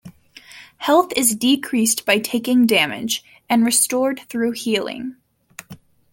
Health is decreased by taking damage, and restored through healing.